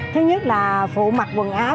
thứ nhất là phụ mặc quần áo